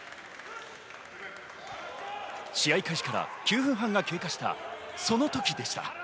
試合開始から９分半が経過したその時でした。